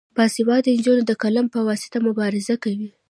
باسواده نجونې د قلم په واسطه مبارزه کوي.